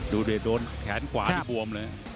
ดูโดนอย่างแขนขวาที่ง่วมเลย